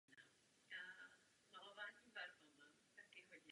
Na jihovýchodě hraničí s Moskvou.